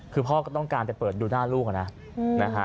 คือพ่อก็ต้องการไปเปิดดูหน้าลูกนะ